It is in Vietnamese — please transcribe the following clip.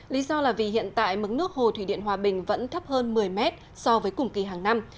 lý do là vì hiện tại mức nước hồ thủy điện hòa bình vẫn thấp hơn một mươi mét so với cùng kỳ hàng năm